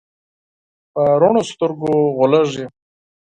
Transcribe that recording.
په رڼو سترګو غولېږي.